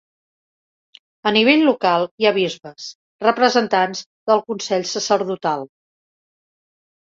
A nivell local hi ha bisbes, representants del Consell sacerdotal.